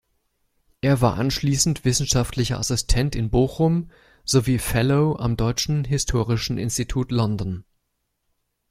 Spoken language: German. Er war anschließend Wissenschaftlicher Assistent in Bochum sowie Fellow am Deutschen Historischen Institut London.